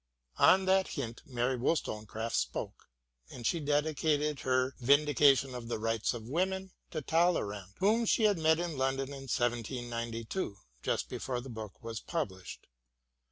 On that hint Mary Wollstonecraft spoke, and she dedicated her " Vindication of the Rights of Women " to Talleyrand, whom she had met in London in 1792, just before the book was published.